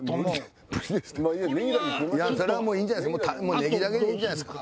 それはもういいんじゃないですか